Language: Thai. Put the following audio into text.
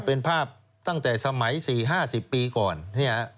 เป็นภาพตั้งแต่สมัย๔๕๐ปีก่อน